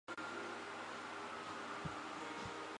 克里斯蒂安十世的长子。